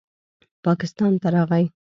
پاکستان ته راغے